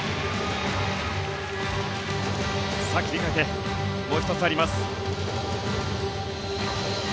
さあ、切り替えてもう１つあります。